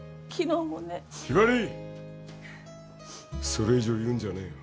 それ以上言うんじゃねえよ。